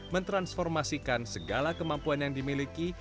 mentransformasikan segala kemampuan yang dimiliki